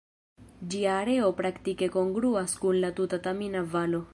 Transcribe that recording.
Ĝia areo praktike kongruas kun la tuta Tamina-Valo.